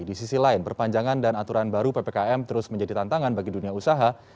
di sisi lain perpanjangan dan aturan baru ppkm terus menjadi tantangan bagi dunia usaha